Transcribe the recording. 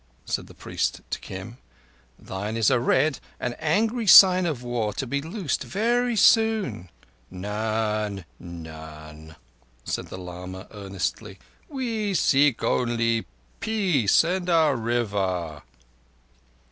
said the priest to Kim. "Thine is a red and an angry sign of War to be loosed very soon." "None—none." said the lama earnestly. "We seek only peace and our River."